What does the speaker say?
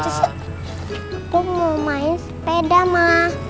aku mau main sepeda mah